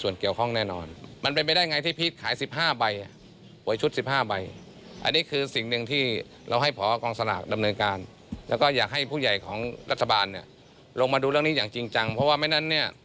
ลงมาดูเรื่องนี้อย่างจริงจังเพราะว่าไม่นั้นเนี้ย